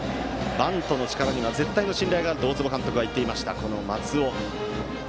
バントの力には絶対の信頼があると大坪監督が言っていました、松尾。